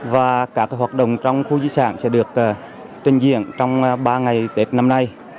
và các hoạt động trong khu di sản sẽ được trình diễn trong ba ngày tết năm nay